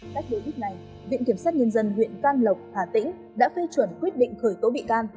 cách đối tích này viện kiểm soát nhân dân huyện can lộc hà tĩnh đã phê chuẩn quyết định khởi tố bị can